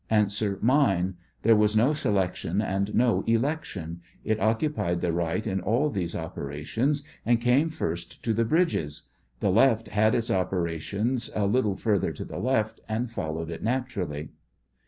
A, Mine ; there vpas no selection and no election ; it occupied the right in all these operations, and came first to the bridges ; the left had its operations a little further to the left, and followed it naturally.